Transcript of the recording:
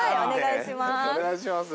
お願いします。